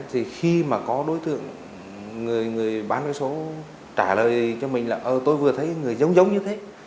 thì khi mà có đối tượng người bán vé số trả lời cho mình là ờ tôi vừa thấy người giống giống như thế